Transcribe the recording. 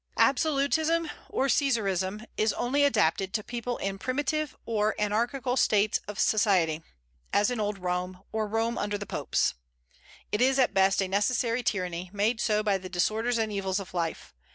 Absolutism or Caesarism is only adapted to people in primitive or anarchical states of society, as in old Rome, or Rome under the popes. It is at the best a necessary tyranny, made so by the disorders and evils of life.